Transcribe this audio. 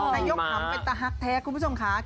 นายกหัมศ์เป็นตะหักแท้คุณผู้ชมค่ะ